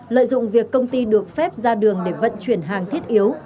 lợi dụng việc công ty được phép ra đường để vận chuyển hàng thiết yếu